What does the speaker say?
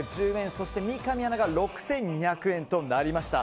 そして三上アナが６２００円となりました。